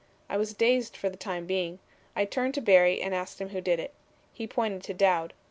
I was dazed for the time being. I turned to Barry and asked him who did it. He pointed to Dowd.